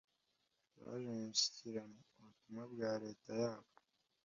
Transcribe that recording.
baje mu mishyikirano(ubutumwa bwa leta yabo)